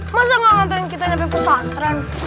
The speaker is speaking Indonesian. masa gak nganterin kita nyampe pesantren